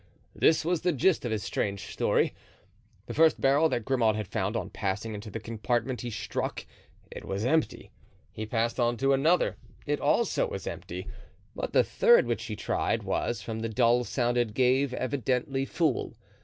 This was the gist of his strange story: The first barrel that Grimaud had found on passing into the compartment he struck—it was empty. He passed on to another—it, also, was empty, but the third which he tried was, from the dull sound it gave out, evidently full.